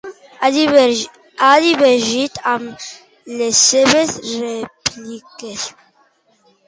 Ha divergit amb les seves rèpliques?